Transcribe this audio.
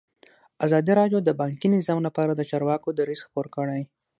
ازادي راډیو د بانکي نظام لپاره د چارواکو دریځ خپور کړی.